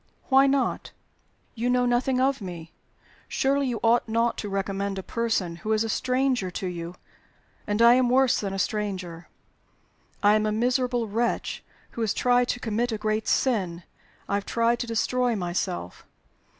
"Why not?" "You know nothing of me. Surely you ought not to recommend a person who is a stranger to you? And I am worse than a stranger. I am a miserable wretch who has tried to commit a great sin I have tried to destroy myself.